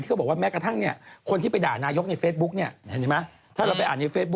ที่ก็บอกว่าต่างนะครับคนที่ไปด่านายกในไฟสบุ๊คถ้าเราไปอ่านในไฟสบุ๊ค